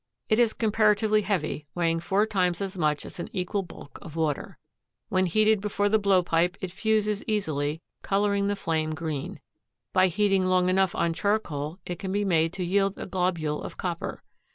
It is comparatively heavy, weighing four times as much as an equal bulk of water. When heated before the blowpipe it fuses easily, coloring the flame green. By heating long enough on charcoal it can be made to yield a globule of copper.